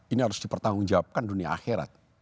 ini harus dipertanggung jawabkan dunia akhirat